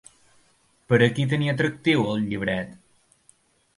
Per a qui tenia atractiu el llibret?